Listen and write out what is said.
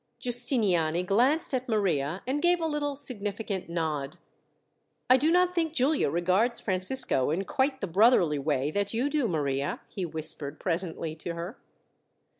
Giustiniani glanced at Maria and gave a little significant nod. "I do not think Giulia regards Francisco in quite the brotherly way that you do, Maria," he whispered presently to her.